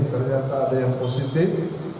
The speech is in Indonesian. ternyata ada yang positif